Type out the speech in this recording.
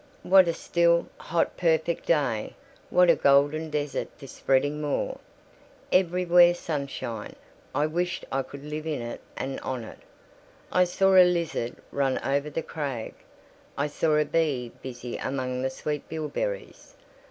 What a still, hot, perfect day! What a golden desert this spreading moor! Everywhere sunshine. I wished I could live in it and on it. I saw a lizard run over the crag; I saw a bee busy among the sweet bilberries.